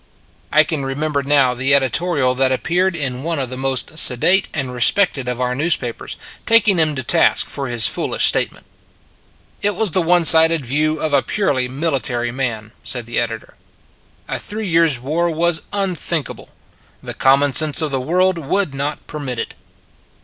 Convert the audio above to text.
I can remember now the editorial that appeared in one of the most sedate and respected of our newspapers, taking him to task for his foolish statement. It was the one sided view of a purely military man, said the editor. A three years war was unthinkable : the common sense of the world would not permit it.